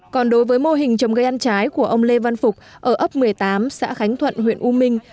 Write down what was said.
còn đối với mô hình trồng cây ăn trái của ông lê văn phục ở ấp một mươi tám xã khánh thuận huyện u minh